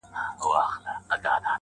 خریې ځانته وو تر تلو نیژدې کړی!.